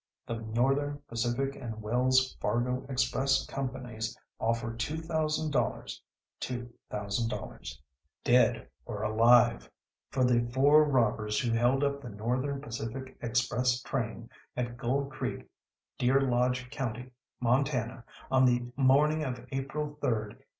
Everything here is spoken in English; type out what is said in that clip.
"The Northern Pacific and Wells Fargo Express Companies offer ($2,000) two thousand dollars, DEAD OR ALIVE, for the four robbers who held up the Northern Pacific Express train at Gold Creek, Deer Lodge County, Montana, on the morning of April 3rd, 1899.